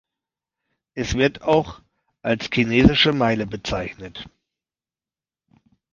Es wird auch als Chinesische Meile bezeichnet.